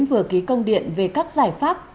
vừa ký công điện về các giải pháp